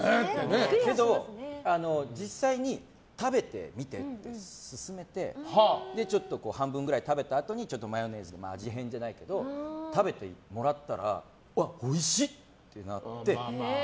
けど、実際に食べてみてって勧めてちょっと半分くらい食べたあとにマヨネーズで味変じゃないけど食べてもらったらうわ、おいしい！ってなって。